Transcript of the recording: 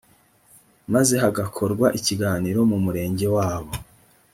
maze hagakorwa ikiganiro mu umurenge wabo